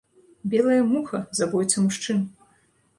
Белая муха, забойца мужчын.